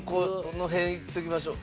どの辺いっときましょう？